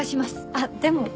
あっでも。